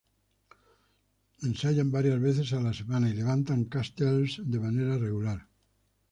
Ensayan varias veces a la semana y levantan "castells" de manera regular.